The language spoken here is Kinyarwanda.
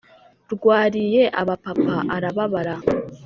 rwariye aba papa arababara